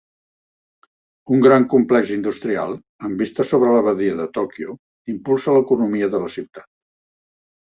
Un gran complex industrial amb vista sobre la badia de Tòquio impulsa l'economia de la ciutat.